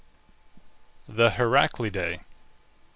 THE HERACLIDAE.